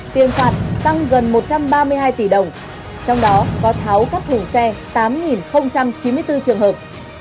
tiền phạt tăng gần một trăm ba mươi hai tỷ đồng trong đó có tháo các thùng xe tám chín mươi bốn trường hợp